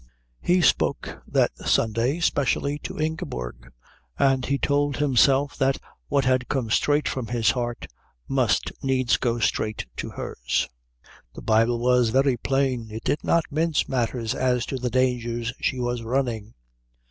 He spoke that Sunday specially to Ingeborg, and he told himself that what had come straight from his heart must needs go straight to hers. The Bible was very plain. It did not mince matters as to the dangers she was running.